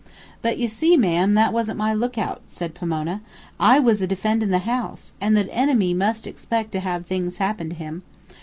"But you see, ma'am, that wasn't my lookout," said Pomona. "I was a defendin' the house, and the enemy must expect to have things happen to him.